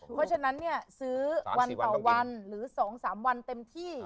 เพราะฉะนั้นเนี่ยซื้อวันต่อวันหรือ๒๓วันเต็มที่